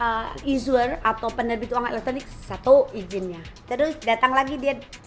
penyelenggara atau penderbit uang elektronik satu izinnya terus datang lagi dia